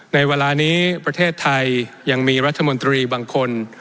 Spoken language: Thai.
ในเวลานี้ประเทศไทยยังมีรัฐมนตรีบางคน